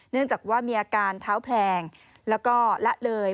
เนื่องจากว่ามีอาการเท้าแพลงแล้วก็ละเลย